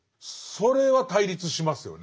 それは対立しますよね。